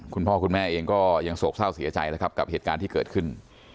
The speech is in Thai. คุณพ่อคุณแม่เองก็ยังโศกเศร้าเสียใจแล้วครับกับเหตุการณ์ที่เกิดขึ้น